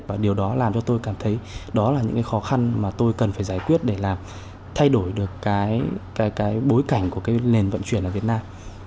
và điều đó làm cho tôi cảm thấy đó là những cái khó khăn mà tôi cần phải giải quyết để làm thay đổi được cái bối cảnh của cái nền vận chuyển ở việt nam